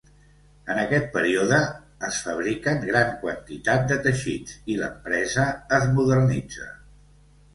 En aquest període es fabriquen gran quantitat de teixits i l'empresa es modernitza.